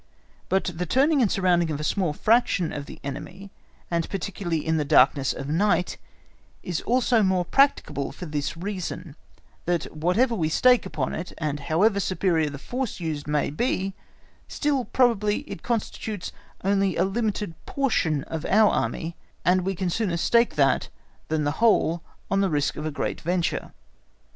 But the turning and surrounding a small fraction of the enemy, and particularly in the darkness of night, is also more practicable for this reason, that whatever we stake upon it, and however superior the force used may be, still probably it constitutes only a limited portion of our Army, and we can sooner stake that than the whole on the risk of a great venture.